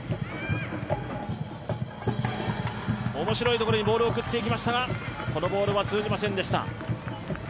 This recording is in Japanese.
面白いところにボールを送っていきましたが、このボールは通じていきませんでした。